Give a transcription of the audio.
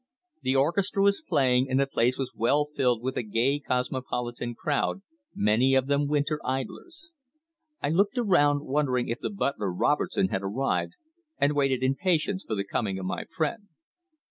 The orchestra was playing, and the place was well filled with a gay cosmopolitan crowd, many of them winter idlers. I looked around, wondering if the butler, Robertson, had arrived, and waited in patience for the coming of my friend.